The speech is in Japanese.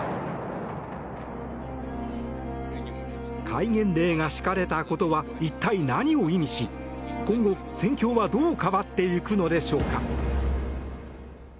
戒厳令が敷かれたことは一体、何を意味し今後、戦況はどう変わっていくのでしょうか。